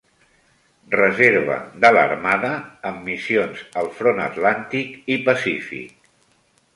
Reserva de l'armada, amb missions al front Atlàntic i Pacífic.